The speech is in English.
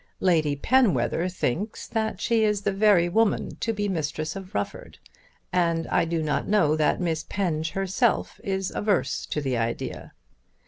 Lady Penwether thinks that she is the very woman to be mistress of Rufford, and I do not know that Miss Penge herself is averse to the idea.